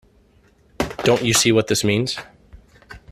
Don't you see what this means?